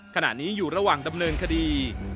ขณะนี้อยู่ระหว่างดำเนินคดี